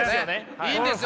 いいんですよ。